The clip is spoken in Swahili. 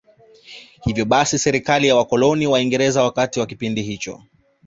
Hivyo basi serikali ya wakoloni Waingereza wakati wa kipindi hicho